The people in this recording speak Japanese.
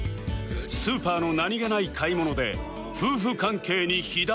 スーパーの何げない買い物で夫婦関係に火種が